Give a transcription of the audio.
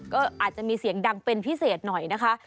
ก็อาจจะมีเสียงดังเป็นพิเศษหน่อยนะคะ